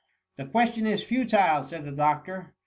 The question is futile,^ said the doctor.